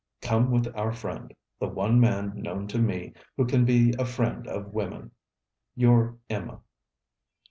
Come with our friend the one man known to me who can be a friend of women. 'Your EMMA.'